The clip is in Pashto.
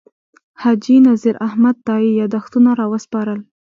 حاجي نذیر احمد تائي یاداښتونه راوسپارل.